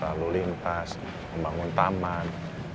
lalu lintas membangun taman